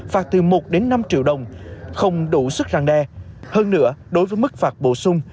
phạt từ một đến năm triệu đồng không đủ sức răng đe hơn nữa đối với mức phạt bổ sung